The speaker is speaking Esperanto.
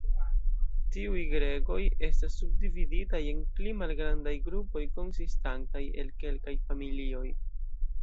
Tiuj gregoj estas subdividitaj en pli malgrandaj grupoj konsistantaj el kelkaj familioj.